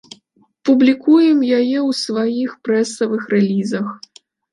Публікуем яе і ў сваіх прэсавых рэлізах.